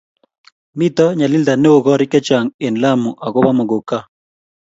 mito nyalilda neoo koriik chechang eng Lamu akobo muguka